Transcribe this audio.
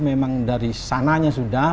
memang dari sananya sudah